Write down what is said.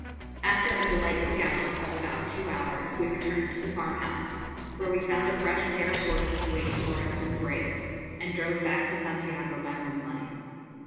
After a delightful gallop of about two hours, we returned to the farmhouse, where we found a fresh pair of horses waiting for us in the break, and drove back to Santiago by moonlight.